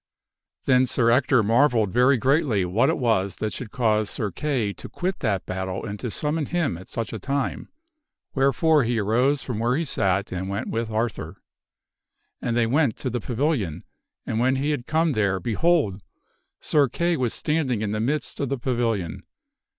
Then Sir Ector marvelled very greatly what it was that should cause Sir Kay to quit that battle and to summon him at such a time, wherefore he arose from where he sat and went with Arthur. And they went to the pavilion, and when he had come there, behold ! Sir Kay was standing in the midst of the pavilion.